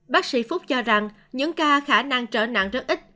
bác sĩ phúc cho rằng những ca khả năng trở nặng rất ít